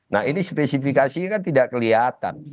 nah ini spesifikasinya kan tidak kelihatan